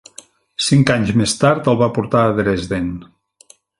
Cinc anys més tard el va portar a Dresden.